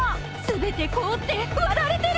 全て凍って割られてる。